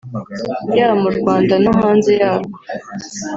yaba mu Rwanda no hanze yarwo